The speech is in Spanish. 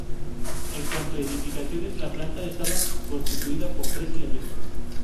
En cuanto edificaciones la planta estaba constituida por tres elementos.